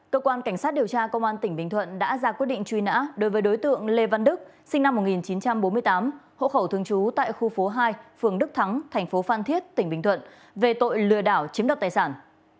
cơ quan cảnh sát điều tra công an tỉnh bình thuận đã ra quyết định truy nã đối với đối tượng lê văn đức sinh năm một nghìn chín trăm bốn mươi tám hộ khẩu thường trú tại khu phố hai phường đức thắng thành phố phan thiết tỉnh bình thuận về tội lừa đảo chiếm đoạt tài sản